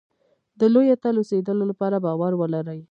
د لوی اتل اوسېدلو لپاره باور ولرئ.